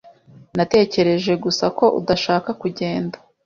Natekereje gusa ko udashaka kugenda.